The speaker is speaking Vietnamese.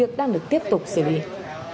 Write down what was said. hãy đăng ký kênh để ủng hộ kênh của mình nhé